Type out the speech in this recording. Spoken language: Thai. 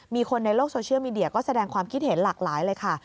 มีคนในโลกโซเชียลมีเดียก็แสดงความคิดเห็นหลากหลายเลยค่ะ